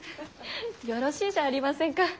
よろしいじゃありませんか。